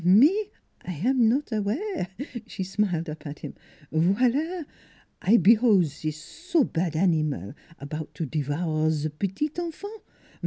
"" Me I am not aware," she smiled up at him. " Folia! I behold zis so bad animal about to devour ze petit enfant!